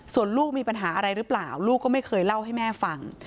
ส่วนลูกมีปัญหาอะไรหรือเปล่าลูกก็ไม่เคยเล่าให้แม่ฟัง